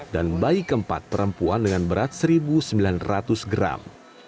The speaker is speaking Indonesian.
dan bayi keempat perempuan dengan berat seribu sembilan ratus gram